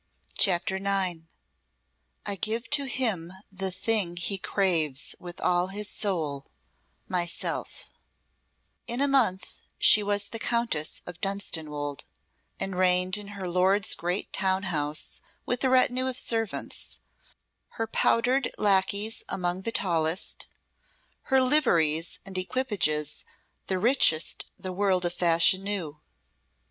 CHAPTER IX "I give to him the thing he craves with all his soul myself" In a month she was the Countess of Dunstanwolde, and reigned in her lord's great town house with a retinue of servants, her powdered lackeys among the tallest, her liveries and equipages the richest the world of fashion knew.